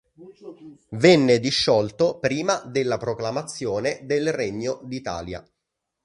Venne disciolto prima della proclamazione del Regno d'Italia.